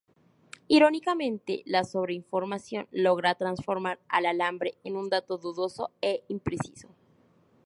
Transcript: Irónicamente, la sobre-información, logra transformar al alambre en un dato dudoso e impreciso.